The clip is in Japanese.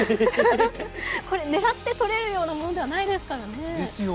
これ、狙って撮れるようなものじゃないですからね。